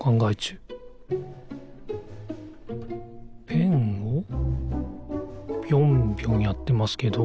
ペンをぴょんぴょんやってますけど。